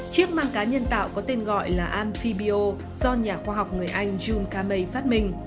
chiếc mang cá nhân tạo có tên gọi là amphibio do nhà khoa học người anh jun kamei phát minh